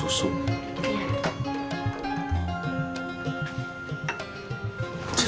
iya di sini di sini